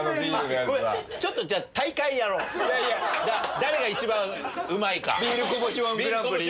誰が一番うまいか。